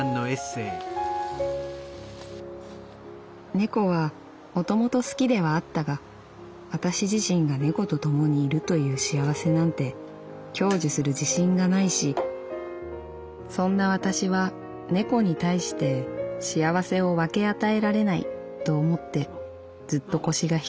「猫は元々好きではあったが私自身が猫とともにいるという幸せなんて享受する自信がないしそんな私は猫に対して幸せを分け与えられないと思ってずっと腰が引けていた」。